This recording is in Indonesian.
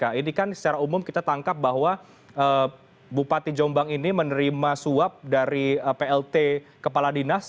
nah ini kan secara umum kita tangkap bahwa bupati jombang ini menerima suap dari plt kepala dinas